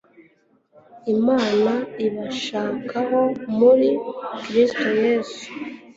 Imana ibashakaho muri Kristo Yesu